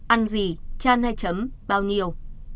ăn gì chan hay chấm bao nhiêu